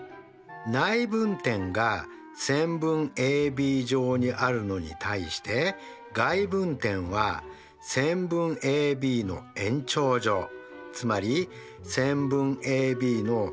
内分点が線分ＡＢ上にあるのに対して外分点は線分ＡＢの延長上つまり線分ＡＢの外側にあります。